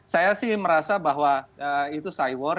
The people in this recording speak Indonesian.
saya sih merasa bahwa itu cy war